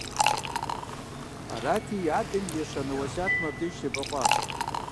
Арати, и адэм и ещанэ уэсятым абдеж щебэкъуащ.